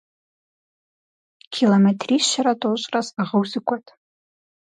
Километрищэрэ тӏощӏрэ сӏыгъыу сыкӏуэт.